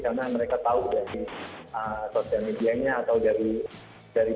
karena mereka tahu dari sosial medianya atau dari berita